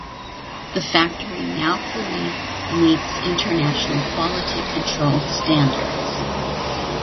The factory now fully meets international quality control standards.